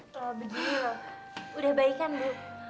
begini bu udah baik kan bu